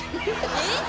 えっ？